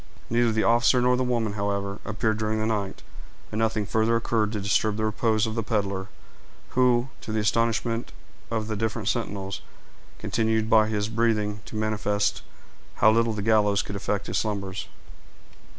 Neither the officer nor the woman, however, appeared during the night, and nothing further occurred to disturb the repose of the peddler, who, to the astonishment of the different sentinels, continued by his breathing to manifest how little the gallows could affect his slumbers.